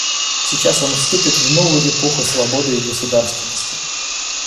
Сейчас он вступил в новую эпоху свободы и государственности.